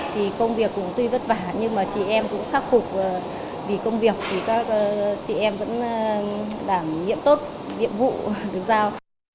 thì công việc cũng tuy vất vả nhưng mà chị em cũng khắc phục vì công việc thì các chị em vẫn đảm nhiệm tốt nhiệm vụ được giao